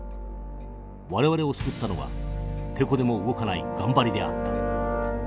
我々を救ったのはテコでも動かない頑張りであった」。